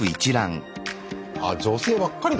あ女性ばっかりだ。